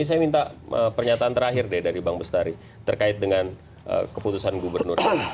saya minta pernyataan terakhir deh dari bang bestari terkait dengan keputusan gubernur